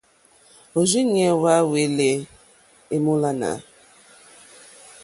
Òrzìɲɛ́ hwá hwɛ́lɛ̀ èmólánà.